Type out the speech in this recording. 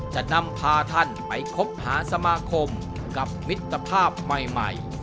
จะนำพาท่านไปคบหาสมาคมกับมิตรภาพใหม่